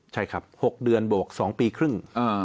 ใช่ครับ๖เดือนบวก๒ปีครึ่ง